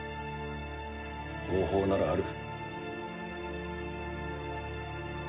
方法ならある。